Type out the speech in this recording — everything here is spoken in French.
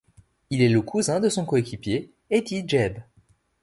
Il est le cousin de son coéquipier, Eddie Jebb.